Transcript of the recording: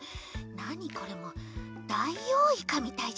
なにこれもうダイオウイカみたいじゃない。